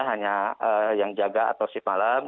hanya yang jaga atau shift malam